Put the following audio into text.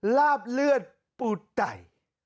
ลาบเลือดปูดไต่